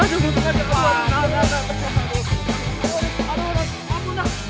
aduh nat ampun lah